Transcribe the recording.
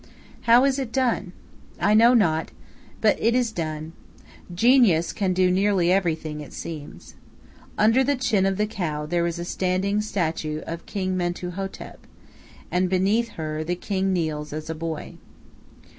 How is it done? I know not; but it is done. Genius can do nearly everything, it seems. Under the chin of the cow there is a standing statue of the King Mentu Hotep, and beneath her the king kneels as a boy.